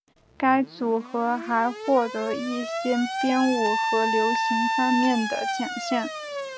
该组合还获得一些编舞和流行方面的奖项。